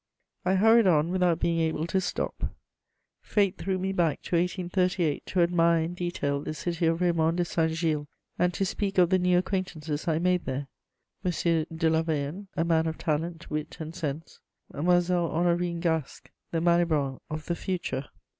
I hurried on without being able to stop: fate threw me back to 1838 to admire in detail the city of Raimond de Saint Gilles, and to speak of the new acquaintances I made there: M. de Lavergne, a man of talent, wit, and sense; Mademoiselle Honorine Gasc, the Malibran of the future.